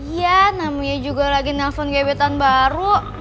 iya namanya juga lagi nelfon gebetan baru